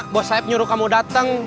bos saeb nyuruh kamu dateng